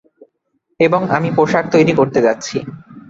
এবং আমি পোশাক তৈরি করতে যাচ্ছি।